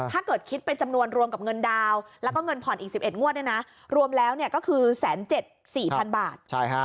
ถ้าเกิดคิดเป็นจำนวนรวมกับเงินดาวแล้วก็เงินผ่อนอีก๑๑งวดรวมแล้วก็คือ๑๗๔๐๐๐บาท